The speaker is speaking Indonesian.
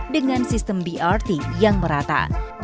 dengan sistem brt yang merata